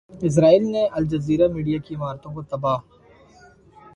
اسرائیل نے Al Jazeera media کی عمارتوں کو تباہ